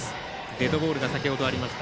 デッドボールがありました。